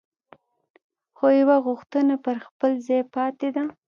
خو یوه غوښتنه پر خپل ځای پاتې ده.